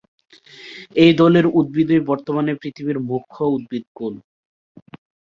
এ দলের উদ্ভিদই বর্তমানে পৃথিবীর মুখ্য উদ্ভিদকুল।